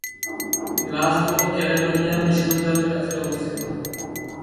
Glasgow Caledonian বিশ্ববিদ্যালয় কাছেই অবস্থিত।